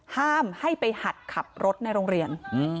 ห้ามให้ไปหัดขับรถในโรงเรียน